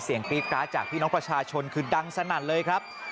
กรี๊ดกราดจากพี่น้องประชาชนคือดังสนั่นเลยครับ